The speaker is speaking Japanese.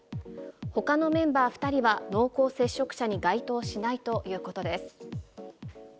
ほかのメンバー２人は濃厚接触者に該当しないということです。